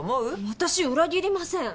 私裏切りません。